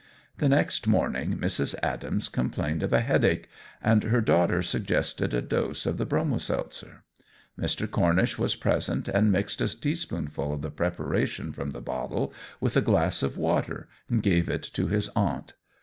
The next morning Mrs. Adams complained of a headache, and her daughter suggested a dose of the Bromo seltzer. Mr. Cornish was present, and mixed a teaspoonful of the preparation from the bottle with a glass of water, and gave it to his aunt.